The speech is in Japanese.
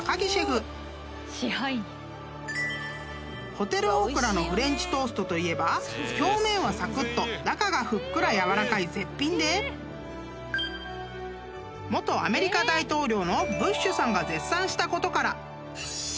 ［ホテルオークラのフレンチトーストといえば表面はサクッと中がふっくら軟らかい絶品で元アメリカ大統領のブッシュさんが絶賛したことから］